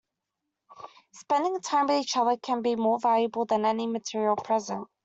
Spending time with each other can be more valuable than any material present.